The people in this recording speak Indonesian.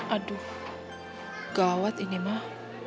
aduh gawat ini mah